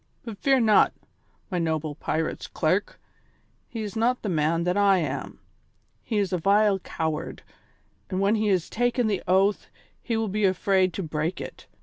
But fear not, my noble pirate's clerk; he is not the man that I am; he is a vile coward, and when he has taken the oath he will be afraid to break it.